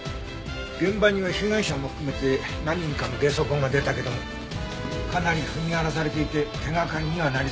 現場には被害者も含めて何人かの下足痕が出たけどかなり踏み荒らされていて手がかりにはなりそうもないね。